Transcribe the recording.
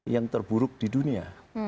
yang terburuk di dunia